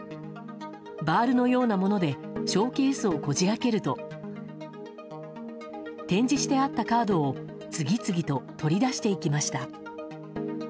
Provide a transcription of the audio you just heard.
バールのようなものでショーケースをこじ開けると展示してあったカードを次々と取り出していきました。